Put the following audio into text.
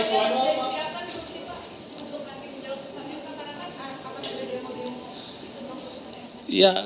apa yang bisa dia lakukan